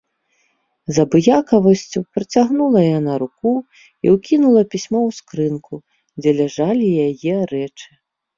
З абыякавасцю працягнула яна руку і ўкінула пісьмо ў скрынку, дзе ляжалі яе рэчы.